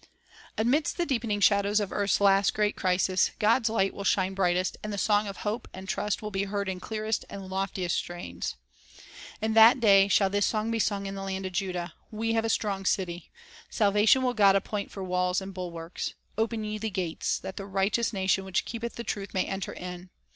' Amidst the deepening shadows of earth's last great crisis, God's light will shine brightest, and the song of hope and trust will be heard in clearest and loftiest strains. l Ps. 113 : 2, 3; 116: t 8. Poetry and So?ig 167 "In that day shall this song be sung in the land of Judah : We have a strong city ; Salvation will God appoint for walls and bulwarks. Open ye the gates, That the righteous nation which keepeth the truth may enter in.